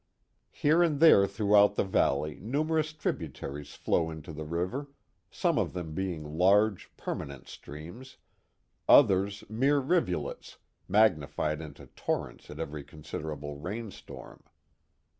Here and there throughout the valley numerous tributaries fiow into the river, some of them being large, permanent streams, others mere rivulets, magnified into torrents at ever} considerable rainstorm.